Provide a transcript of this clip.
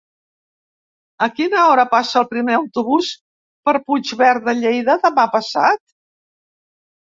A quina hora passa el primer autobús per Puigverd de Lleida demà passat?